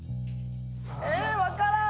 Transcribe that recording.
えー、分からん。